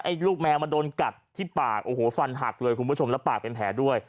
ลูกแมวมาโดนกัดที่ปากโอ้โหฟันหักเลยคุณผู้ชมแล้วปากเป็นแผลด้วย